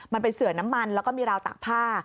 มันเป็นเสือน้ำมันแล้วก็มีราวตากผ้า